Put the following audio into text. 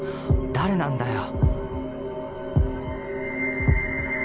誰なんだよ